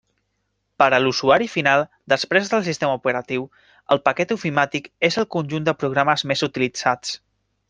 Per a l'usuari final, després del sistema operatiu, el paquet ofimàtic és el conjunt de programes més utilitzats.